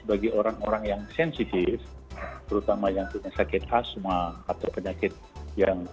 bagi orang orang yang sensitif terutama yang punya sakit asma atau penyakit yang